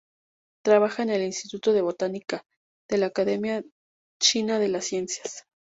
Trabaja en el "Instituto de Botánica", de la Academia China de las Ciencias.